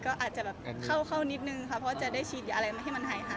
ก็อาจจะแบบเข้านิดนึงค่ะเพราะจะได้ฉีดอะไรมาให้มันหาย